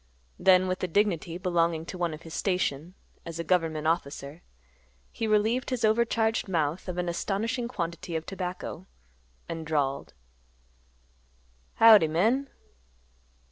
Then with the dignity belonging to one of his station, as a government officer, he relieved his overcharged mouth of an astonishing quantity of tobacco, and drawled, "Howdy, men."